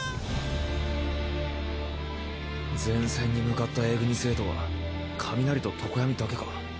前線に向かったＡ組生徒は上鳴と常闇だけかあ。